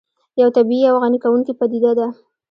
یو طبیعي او غني کوونکې پدیده ده